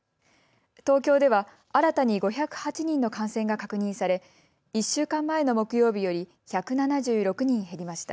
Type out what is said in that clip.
東京では新たに５０８人の感染が確認され１週間前の木曜日より１７６人減りました。